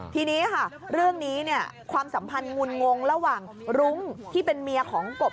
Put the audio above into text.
ทีนี้ค่ะเรื่องนี้เนี่ยความสัมพันธ์งุนงงระหว่างรุ้งที่เป็นเมียของกบ